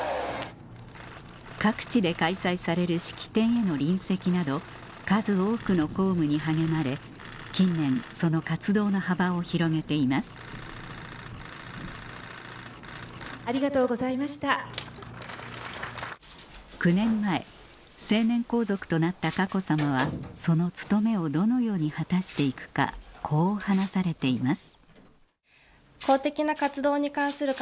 各地で開催される式典への臨席など数多くの公務に励まれ近年その活動の幅を広げています・ありがとうございました・９年前成年皇族となった佳子さまはその務めをどのように果たしていくかこう話されています